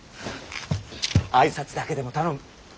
挨拶だけでも頼む。